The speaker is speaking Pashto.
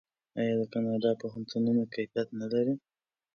آیا د کاناډا پوهنتونونه کیفیت نلري؟